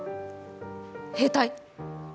兵隊？